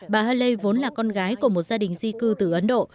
bà haley vốn là con gái của một gia đình di cư từ ấn độ